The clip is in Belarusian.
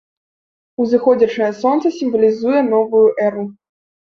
Узыходзячае сонца сімвалізуе новую эру.